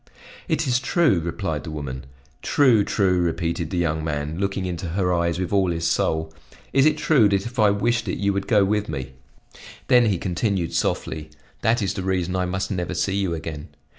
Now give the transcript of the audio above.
"It is true," replied the woman. "True! true!" repeated the young man, looking into her eyes with all his soul. "Is it true that if I wished it you would go with me?" Then he continued softly: "That is the reason I must never see you again.